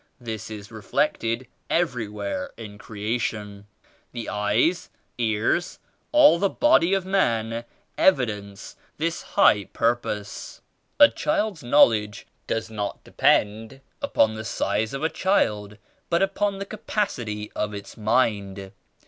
This is reflected every where in creation. The eyes, ears, all the body of man evidence this high purpose." "A child's knowledge does not depend upon the size of a child but upon the capacity of its mind.